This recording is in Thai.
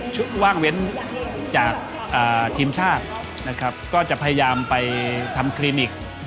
ว่างเว้นจากทีมชาตินะครับก็จะพยายามไปทำคลินิก